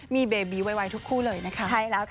มีเบบีไวทุกคู่เลยนะคะ